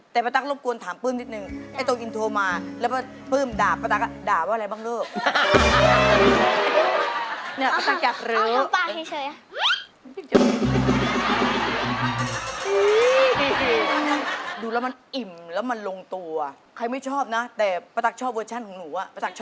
หรือว่าอะไรบ้างแล้ว